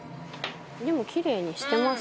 「でもキレイにしてます」